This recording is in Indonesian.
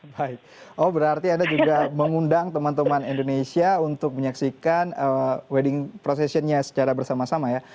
baik oh berarti anda juga mengundang teman teman indonesia untuk menyaksikan wedding processionnya secara bersama sama ya